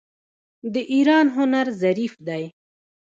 د ایران هنر ظریف دی.